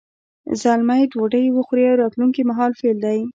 زلمی ډوډۍ وخوري راتلونکي مهال فعل دی.